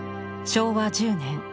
昭和１０年。